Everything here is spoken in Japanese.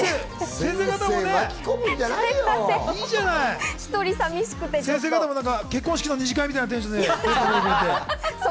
先生方も結婚式の二次会みたいなテンションで。